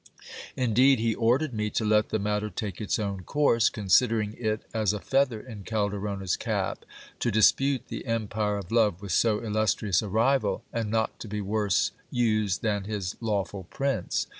Indeed, he ordered me to let the matter take its own course, con sidering it as a feather in Calderona's cap to dispute the empire of love with so illustrious a rival, and not to be worse used than his lawful prince.